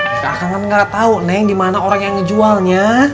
aku kan gak tau neng dimana orang yang ngejualnya